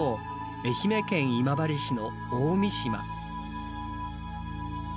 愛媛県今治市の大三島。